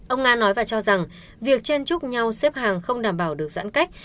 ông nga nói và cho rằng việc chen chúc nhau xếp hàng không đảm bảo được giãn cách